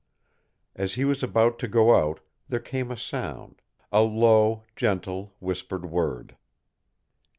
As he was about to go out, there came a sound a low, gentle, whispered word.